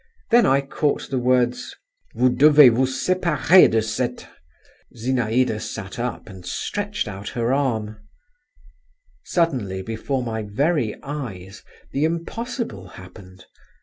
Then I caught the words: "Vous devez vous séparer de cette…" Zinaïda sat up, and stretched out her arm…. Suddenly, before my very eyes, the impossible happened.